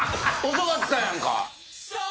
遅かったやんか。